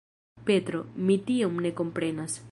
Petro, mi tion ne komprenas!